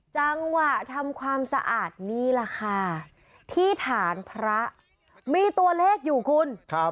จังหวะทำความสะอาดนี่แหละค่ะที่ฐานพระมีตัวเลขอยู่คุณ